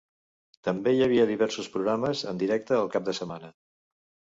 També hi havia diversos programes en directe el cap de setmana.